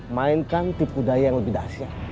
mainkan tip budaya yang lebih dahsyah